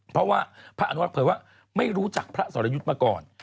เพราะว่าพระอนุรักษ์เผยว่าไม่รู้จักพระสรยุทธ์มาก่อน